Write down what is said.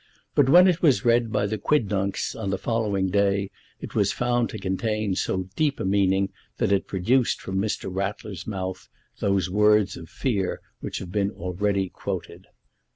But when it was read by the quidnuncs on the following day it was found to contain so deep a meaning that it produced from Mr. Ratler's mouth those words of fear which have been already quoted.